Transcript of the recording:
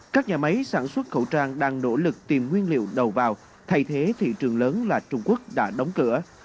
các nhà máy sản xuất khẩu trang đang nỗ lực tìm nguyên liệu đầu vào thay thế thị trường lớn là trung quốc đã đóng cửa